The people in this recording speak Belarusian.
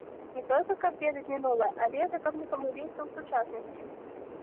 Не толькі каб ведаць мінулае, але ж і каб не памыліцца ў сучаснасці.